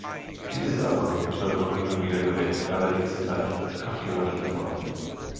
Dieses Argument wird noch hin und wieder verwendet, allerdings in leicht abgewandelter Form.